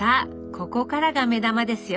ここからが目玉ですよ。